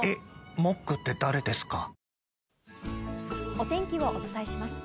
お天気をお伝えします。